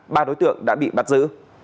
ba đối tượng đã bị bắt giữ